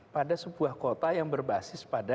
pada sebuah kota yang berbasis pada